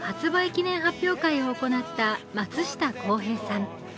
記念発表会を行った松下洸平さん。